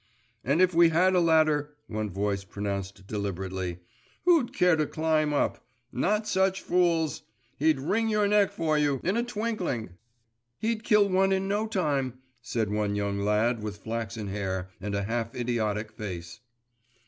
'And if we had a ladder,' one voice pronounced deliberately, 'who'd care to climb up? Not such fools! He'd wring your neck for you in a twinkling!' 'He'd kill one in no time,' said one young lad with flaxen hair and a half idiotic face.